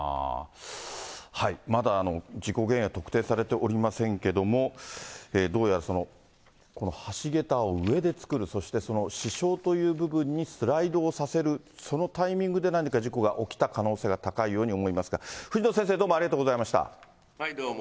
まだ事故原因は特定されておりませんけども、どうやらこの橋桁を上で作る、そしてその支承という部分にスライドをさせる、そのタイミングで何か事故が起きた可能性が高いように思いますが、藤野先生、はい、どうも。